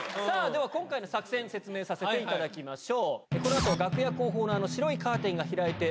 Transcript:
今回の作戦説明させていただきましょう。